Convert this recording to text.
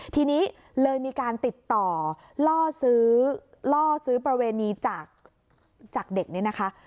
ทีนี้เลยมีการติดต่อล่อซื้อล่อซื้อประเวณีจากเด็กเนี่ยนะคะ